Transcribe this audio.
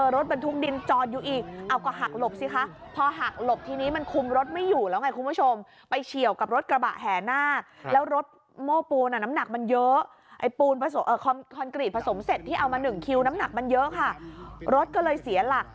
รถโม้ปูนอะน้ำหนักมันเยอะไอโปินประสงค์เอ่อคอนกรีตผสมเสร็จที่เอามาหนึ่งคิวน้ำหนักมันเยอะค่ะรถก็เลยเสียหลัก